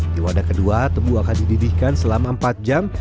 di wadah kedua tebu akan dididihkan selama empat jam